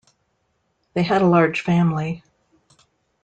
They had a large family.